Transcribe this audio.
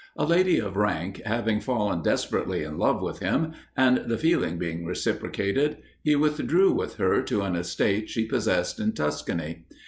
A lady of rank having fallen desperately in love with him, and the feeling being reciprocated, he withdrew with her to an estate she possessed in Tuscany.